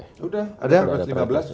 sudah ada perpres lima belas